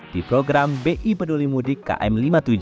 di program bi peduli mudik km lima puluh tujuh